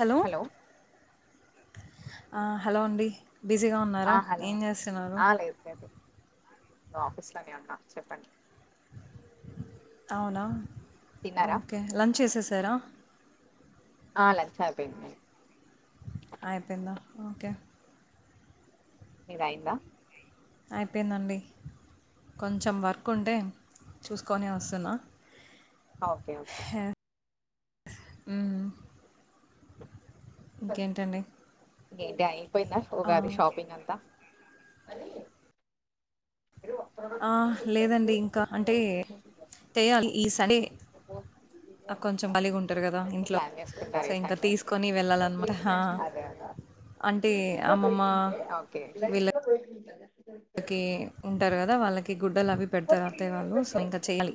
Hello ఆ hello అండి బిజీగా ఆ ఉన్నారా హలో ఏం జాస్తూన్నారు ఆ లేదు లేదు ఆఫీస్ లనే ఉన్నా చెప్పండ్ ఔనా ఓకే లంచ్ చేశేసారా ఆ లంచ్ అయిపెంద్ అయిపెందా ఓకే నీద్ ఐదా అయిపెందండీ కొంచమ్ వర్ కుండే చూస్ కొని వస్ సున్నా ఆ ఒకే ఒకే ఉహుమ్ ఇంకెన్ టండి ఏంటే అయిపెంద ఉగాది షాపింగ్ అంతా ఆ లేదండి ఇంకా అంటే తెయాలి ఈ సండే ఆ కొంచమ్ బలి గుంటారు గదా ఇంట్లో ప్లాన్ చేసుకుంటారు సో ఈ ఇంకా సండే తీస్ కొని వేళలన్ మాట ఆ అదే అదే అంటే అమ్మమ్మ ఓకే వీళ్ళ కి ఉంటారు గదా వాళ్ళకి గుడ్డలు అవి పెడ్ తరు అత్తయి వాళ్ళు సో ఇంకా చెయాలి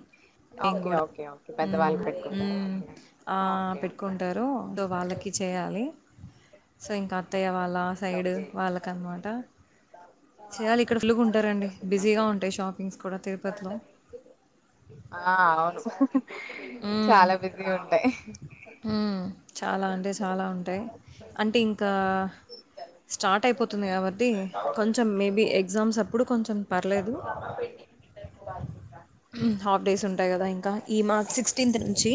వేమ్ ఓకే గుడా ఓకే ఓకే ఉమ్ పెద్దవాళ్ళకి పెట్టుకుంటారా ఉమ్ ఓకే ఆ పెట్ ఓకే కుంటారు దో వాళ్ళకి చే చేయాలి సో ఇంకా అత్తయ్య వాళ్ళ సైడు ఓకే వాళ్ళక్ అన్ మాట చెయాలి ఇక్కడ ఫులుగుంటారండి ఓకే బిజీగా ఓకే ఉంటాయి షాపింగ్స్ కూడా తిర్ పత్ లో ఔను హు హు చాలా బిజీ గుంటాయి ఊమ్ చాలా అంటె చాలా ఉంటయ్ అంటె ఇంకా స్టాటైపోతుంది కాబట్టి కొంచెం మేబి ఎగ్జామ్సప్పుడు కొ [unintelligible] హాఫ్ డేసుంటాయ్ గదా ఇంకా ఈ మాక్ సిక్స్టీన్త్ నుంచి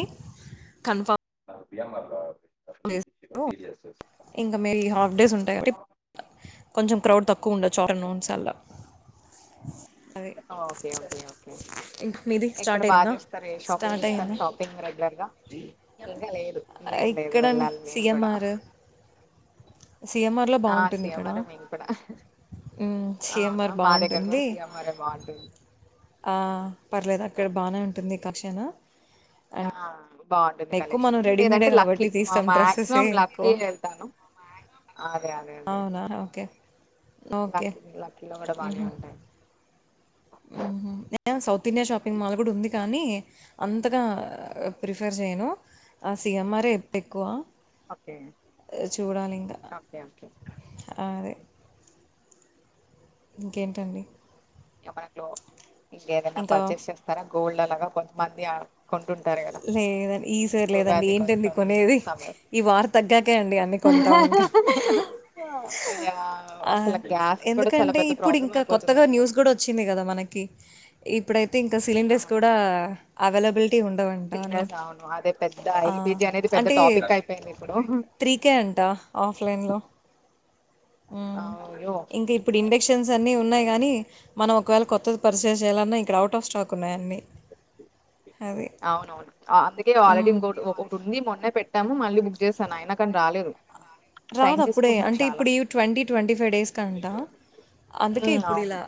కంన్ఫామ్ ఆపియ్యా మల్ల [unintelligible] ఇంకా మే లీ హాఫ్ డేస్ ఉంటాయి టిప్ కొంచమ్ క్రౌడ్ తక్కు ఉండచ్చు ఆఫ్ టర్ నూన్స్ అల్లా ఓ ఓకే ఓకే ఓకే ఇంకా మీది ఇక్కడ స్టార్ట్ బా అయిందా జేస్తరు ఏ షాప్ లింగ్ స్టార్ట్ చెస్తర్ అయిందా షాపింగ్ రెగ్ లర్ గా ఇంగ లెద్ ఆ ఇక్కడండి సీ యమ్ ఆరు సిఎమ్మార్లొ ఆ బాగుంటుందిక్కడ. సీఎంఆర్ఎ మేము కూడా ఊమ్ అవునా సిఎమ్మార్ మా దగ్గర కూడా బాగుంటుంది. సీఎంఆర్ఎ బాగుంటుంది ఆ పర్లేదక్కడ్ బానె ఉంటుంది కక్షను య ఆ. బాంటుంది కలెక్షను రెడీమేడే లేదంటె లక్కి కాబట్టి మ తీస్తాం డ్రెస్సెసే మాక్సిమం ఎక్కువ లక్కీ వెళ్తాను. ఆదే అదే అదే. అవునా ఓకే ఓకే లక్కీని లక్కీలొ గూడ బానే ఉంటాయ్. ఊహ్ [unintelligible] సౌతిండియా షాపింగ్ మాల్ గూడుంది కానీ అంతగా ప్రిఫర్ జెయ్ను. ఆ సిఎమ్మారే ఎత్ ఎక్కువా. ఓకే చూడాలింక ఓకే ఓకే ఆదె ఇంకేంటండి. [inaudible] లొ ఇంకేదన్న ఇంకా పర్చేస్ చేస్తారా గోల్డలాగ కొంతమంది అ కొంటుం లేదండి ఈ సార్ లేదండి ఏంటంది కొంచెం కొనేది సమ్మర్ ఈ వార్ తగ్గాకే అండి అన్ని కొంటామ్. ఇంక ఇక అ అసలు గ్యాస్ కూడా చాలా ఎందుకంటే పెద్ద ప్రాబ్లం ఇప్పుడింక అయిపోతుంది కొత్తగా ఇప్పుడు న్యూస్ కూడొ చింది గదా మనకి ఇప్పుడైతె ఇంక సిలిండర్స్ అవును కూడా అవైలబిల్టీ ఉండవ అంటాని సిలిండర్స్ అవును అదే పెద్ద అ ఎల్పిజి అనేది పెద్ద అంటే టాపిక్ అయిపోయింది ఇప్పుడు [inaudible] త్రీకే అంట ఆఫ్లైన్లొ ఊమ్ అయ్యో ఇంక ఇప్పుడు ఇండక్షన్సన్నీ ఉన్నాయ్ గాని మనం ఒకవేళ కొత్తది పర్చేస్ జేయాలన్నా ఇక్కడ ఔటాఫ్ స్టాకున్నాయన్ని. ఔనవ్ను అందుకే ఆల్రెడీ హ్మ్. ఇంకొట్ ఒక ఒకటుంది మొన్నే పెట్ టాము మళ్ళీ బుక్ జేసాను అయ్నా కాన్ రాలేదు. టైం రాదప్పుడే తీసుకుంటున్నారు అంటె చాలా ఇప్పుడు ఈ ట్వంటీ ట్వంటీ ఫైవ్ డేస్ కంతా అందుకే ఉమ్, అవును ఇప్పుడిలా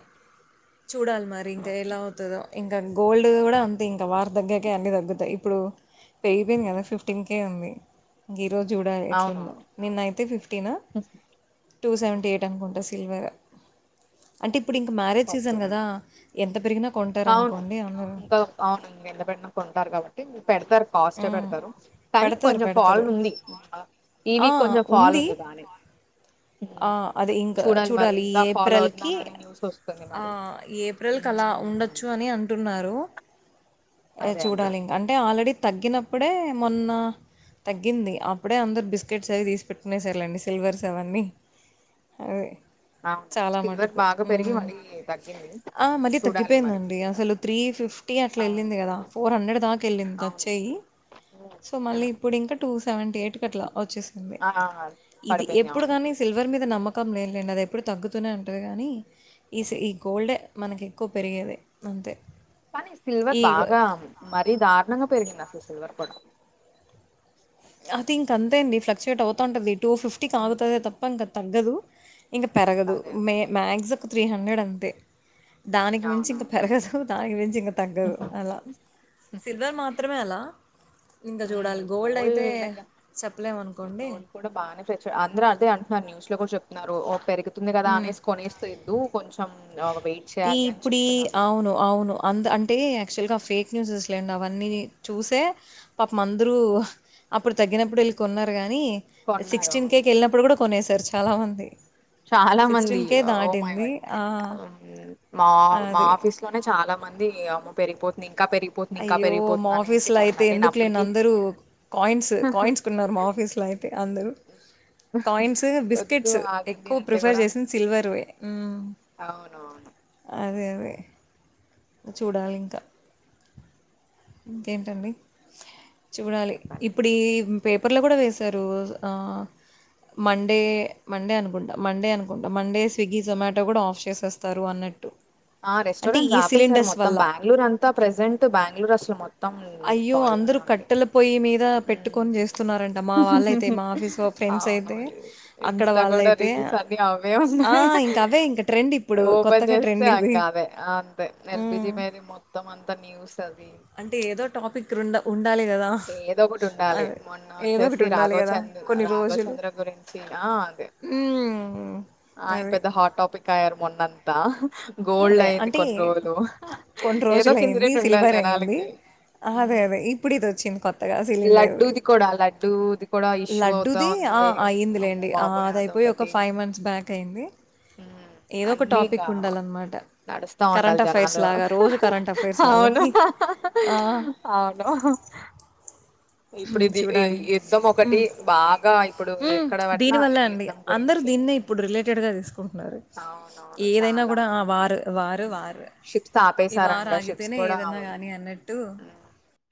చూడాల్ మరి ఇంక ఎలా ఔతదో. ఇంక గోల్డ్ ది గూడా అంతె ఇంక వార్ తగ్గాకే అన్నీ తగ్గుతయ్ ఇప్పుడు పెరిగిపెయ్ంది కదా ఉమ్, ఫిఫ్టీన్కే ఉంది ఇంగీరోజ్ జూడాలి ఎట్లుందో అవునవును నిన్నైతే ఫిఫ్టీన్ టూ సెవెంటీ ఎయ్టనుకుంట సిల్వర్ అంటె ఇప్పుడింక మ్యారేజ్ సీజన్ గదా ఎంత పెరిగినా ఔను కొంటారనుకోండి అందరూ. క ఔను ఇంగెంతపెరిగిన కొంటారు కాబట్టీ పెడ్తారు కాస్టే హ్మ్. పెడ్తారు కానీ పెడతారు. కొంచెం పెడతారు. ఫాలుంది. ఆ ఉంది [unintelligible] ఆ హ్మ్. అదే ఇంక మరి చూడాలి ఈ ఇంకా ఫాలో ఏప్రెల్ కి అవుతున్నానని న్యూస్ వస్తుంది ఆ మరి. ఏప్రెల్ కలా హ్మ్. అవును. ఉండొచ్చు అని అంటున్నారు ఎ అదే అదే. చూడాలింక అంటె ఆల్రెడి తగ్గినప్పుడే మొన్న తగ్గింది అప్పుడే అందుర్ బిస్కెట్స్ అవి తీస్ పెట్కునేసార్లేండి సిల్వర్స్ అవన్ని. అదె. అవును. చాలా సిల్వర్ మటుకు బాగా పెరిగి ఊమ్ మళ్ళీ తగ్గింది. [inaudible] అ మళ్ళ చూడాలి మరి. తగ్గిపోయిందండి అసలు త్రీ ఫిఫ్టీ అవును. అట్లెళ్ళింది గదా ఫోర్ హండ్రెడ్ దాకెళ్ళింది అవును. టచ్చె ఈ హ్మ్. సొ మళ్ళీ ఎప్పుడింక టూ సెవెంటీ ఎయ్ట్ కట్ల వచ్చేసింది. ఆ! ఇది పడిపోయింది ఎప్పుడ్ అవును. గాని సిల్వర్ మీద నమ్మకం లేద్లేండి అదెప్పుడు తగ్గుతూనే ఉంటది గానీ ఈ స ఈ గోల్డె మనక్ ఎక్కో పెరిగేదే అంతే కానీ సిల్వర్ ఈగ బాగా మరీ దార్ణంగా పెరిగింద సిల్వర్ కూడా అది ఇంక అంతే అండి ఫ్లక్చుయేట్ అవుతా ఉంటది టూ ఫిఫ్టీక్ ఉమ్, ఆగుతదే తప్ప ఇంకా తగ్గదు. ఇంగ పరగదు అదే మె అదే. మ్యాగ్స్ ఒక త్రీ హండ్రెడంతె. దానికి మించింక అవునవును. పెరగదు దానికి మించింక తగ్గదు హ్మ్ అలా సిల్వర్ మాత్రమే అలా ఇంగ జూడాలి గోల్డై [unintelligible] ఉండంగ గోల్డ్ కూడా బానే [inaudible] అందరూ అదె అంటున్నార్ న్యూస్ లో కూడా చెప్ న్నారు ఓ పెరుగుతుంది గదా అనేస్ కొనేస్ తెద్దు కొంచం ఈ ఇప్పుడి అవును అవును అంద్ అంటే యక్చువల్గా ఫేక్ న్యూసెస్ లేండవన్నీ చూసే పాపం అందరూ అప్పుడ్ తగ్గినప్పుడ్ ఎళ్ళి కొన్నార్ గానీ కొన్నారు సిక్స్టీన్ కే అవును కేళ్ళినప్పుడ్ గుడా కొనేసార్ చాలామంది. చాలా మంది కే ఓ మై దాటింది. గాడ్ ఆ! అవున్ మ్ మా మా అది. ఆఫీస్లోనే చాలా మంది అమ్మో పెరిగిపోతుంది. ఇంకా పెరిగిపోతుంది ఇంకా అయ్యో మా పెరిగిపోతుంది అనేసి ఆఫీస్లో అయితే కొన్నా నేను ఎందుక్ లేన్ అప్పటికి అందరూ కాయిన్స్ కాయిన్స్ కొన్నారు మా ఆఫీ ఫీస్లో అయితే అందరూ కాయిన్స్, వద్దు బిస్కెట్స్ ఎక్ ఆగండి ఎక్కూ అంటే ప్రిఫర్ కూడా చేసింద్ సిల్వర్వే మ్ అవునవును అదే అదే చూడాలింక ఇంకేంటండి. చూడాలి చెప్పాలి ఇప్పుడీ పేపర్లో గుడ వేశారు. ఆ మండే, మండే అనుకుంటా మండే అనుకుంటా మండే స్విగ్గీ, జొమాటో గుడా ఆఫ్ చేసేస్తారు అన్నట్టు. ఆ అంటే రెస్టారెంట్స్ ఈ ఆపేసారు సిలిండర్స్ మొత్తం వల్ల. బెంగళూరంతా ప్రెజెంట్ బెంగళూర్ అసల్ మొత్తం అయ్యో! ఫాల్లోనే అందరూ ఉంది కట్టెల పొయ్యి మీద పెట్టుకొని ఉమ్ చేస్తున్నారంట. మా వాళ్ళైతే మా ఆఫీస్‌లో ఫ్రెండ్స్ అవును అయితే అక్కడ ఇన్స్టా గుడా వాళ్ళైతే రీల్సన్ని అవే ఆ! ఉన్నయ్ ఇంక అవే ఇంక ట్రెండ్ ఇప్పుడు ఓ ఓపెన్ కొత్తగా జేస్తే ట్రెండ్ అంక ఇది. అదే ఆ అంతే ఎల్పిజి హ్మ్. మీదే మొత్తం అంత న్యూస్ అది అంటే ఏదో టాపిక్ రుండ ఉండాలె గదా ఏదో ఒకటి ఉండాలి. అదే మొన్న వచ్చేసి ఏదోకతుండాలె రాఘవ్ గదా చంద్ కొత్ కొన్ని రాఘవ్ రోజులు చంద్ర గురించి ఉమ్ ఆయన్ పెద్ద హాట్ టాపిక్ అయ్యారు మొన్నంతా గోల్డ్ అదే అయింది అంటే కొన్ రోజులు కొన్ని ఏదో రోజులు ఒక అయింది ఇన్సిడెంట్ ఉండాలి సిల్వర్ అయింది జనాలకి. అదే మ్ అదే ఇప్పుడు ఇది వచ్చింది కొత్తగా సిలిండర్ లడ్డూది కూడా లడ్డూది కూడా ఇష్యూ అవుతా లడ్డుది ఉం ఆ అయ్యిందిలేండి ఆ అదైపోయ్ ఒక ఫైవ్ మంత్స్ బ్యాక్ అయింది. మ్మ్ ఏదొక అన్నీ టాపిక్ ఇంకా ఉండాలన్మాట్ నడుస్తా ఉండాల్ జనాలు కరెంట్ అఫైర్స్ వాళ్ళకి ఆ, అహ చూడాలి ఒకటి బాగా ఇప్పుడు ఎక్కడ దీని పట్టినా ఈ వల్లే అండి యుద్ధం అందరు గురించి దీన్నే ఉమ్, ఇప్పుడ్ రిలేటెడ్గా తీస్కుంటున్నారు. అవునవును ఏదైనా చాలా గుడా ఆ వార్ వార్ వార్ షిప్స్ ఇవార్ ఆపేశారంట షిప్స్ ఆగితేనే కూడా ఏదన్న గాని అన్నట్టు. మ్మ్